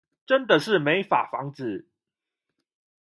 真的是沒法防止